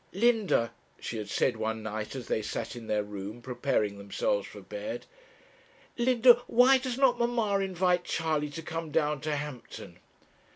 'Linda,' she had said one night, as they sat in their room, preparing themselves for bed, 'Linda, why does not mamma invite Charley to come down to Hampton?'